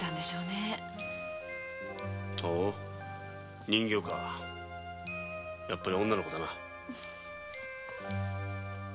ほう人形かやっぱり女の子だな。